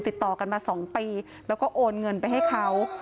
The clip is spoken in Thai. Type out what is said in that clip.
ติดต่อกันมา๒ปีแล้วก็โอนเงินไปให้เขา